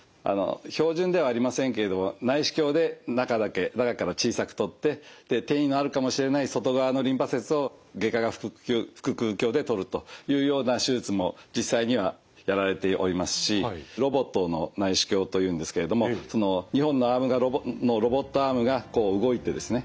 標準ではありませんけれども内視鏡で中から小さく取って転移のあるかもしれない外側のリンパ節を外科が腹腔鏡で取るというような手術も実際にはやられておりますしロボットの内視鏡というんですけれども２本のロボットアームが動いてですね